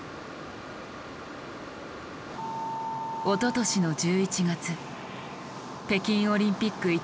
おととしの１１月北京オリンピック